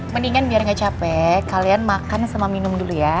mendingan biar gak capek kalian makan sama minum dulu ya